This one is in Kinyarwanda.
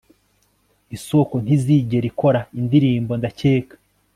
isoko ntizigera ikora indirimbo, ndakeka